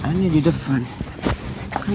nanti akan sembilan belas jam